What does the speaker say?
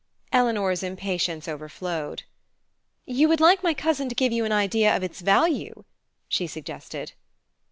Eleanor's impatience overflowed. "You would like my cousin to give you an idea of its value?" she suggested.